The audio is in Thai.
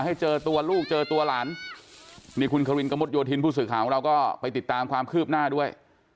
ให้เจอตัวลูกเจอตัวหลานนี่คุณควินกระมุดโยธินผู้สื่อข่าวของเราก็ไปติดตามความคืบหน้าด้วย